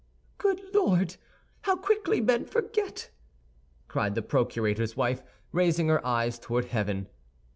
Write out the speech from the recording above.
"Good Lord, how quickly men forget!" cried the procurator's wife, raising her eyes toward heaven.